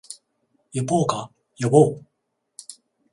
呼ぼうか、呼ぼう